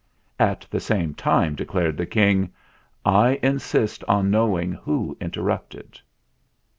"At the same time," declared the King, "I insist on knowing who interrupted."